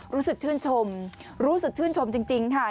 รู้สึกชื่นชมรู้สึกชื่นชมจริงค่ะ